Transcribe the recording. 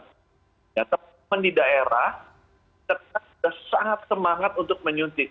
teman teman di daerah tetap sangat semangat untuk menyuntik